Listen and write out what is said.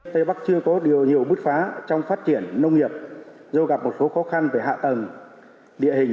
tây bắc chưa có điều nhiều bứt phá trong phát triển nông nghiệp do gặp một số khó khăn về hạ tầng địa hình